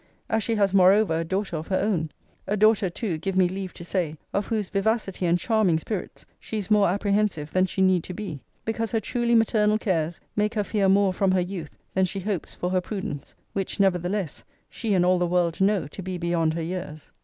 as she has moreover a daughter of her own: a daughter too, give me leave to say, of whose vivacity and charming spirits she is more apprehensive than she need to be, because her truly maternal cares make her fear more from her youth, than she hopes for her prudence; which, nevertheless, she and all the world know to be beyond her years.